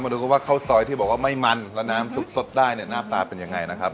ดูกันว่าข้าวซอยที่บอกว่าไม่มันแล้วน้ำซุปสดได้เนี่ยหน้าตาเป็นยังไงนะครับ